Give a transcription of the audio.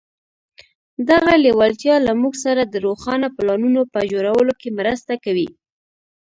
دغه لېوالتیا له موږ سره د روښانه پلانونو په جوړولو کې مرسته کوي.